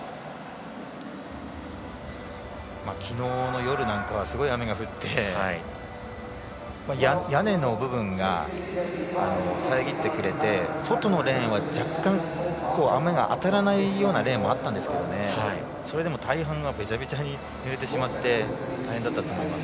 昨日の夜なんかはすごい雨が降って屋根の部分がさえぎってくれて外のレーンは若干雨が当たらないようなレーンもあったんですけどそれでも大半がびちゃびちゃにぬれてしまって大変だったと思います。